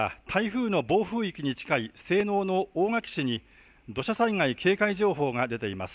県内では台風の暴風域に近い西濃の大垣市に土砂災害警戒情報が出ています。